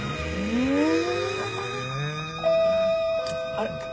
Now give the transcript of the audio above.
・あれ。